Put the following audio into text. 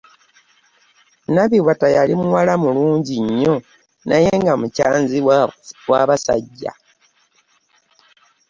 Nabiwata yali mukyala mulungi nnyo naye nga mukyanzi w'abasajja.